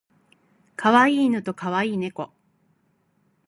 可愛い犬と可愛い猫